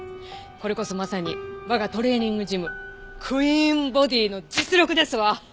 これこそまさに我がトレーニングジムクイーンボディーの実力ですわ！